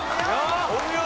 お見事。